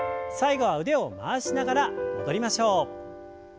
最後は腕を回しながら戻りましょう。